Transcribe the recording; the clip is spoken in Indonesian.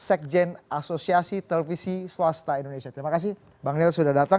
sekjen asosiasi televisi swasta indonesia terima kasih bang nel sudah datang